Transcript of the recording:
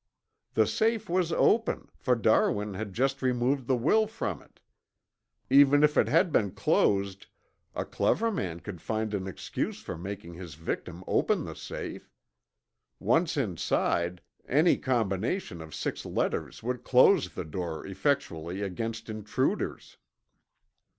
"The safe was open, for Darwin had just removed the will from it. Even if it had been closed, a clever man could find an excuse for making his victim open the safe. Once inside any combination of six letters would close the door effectually against intruders."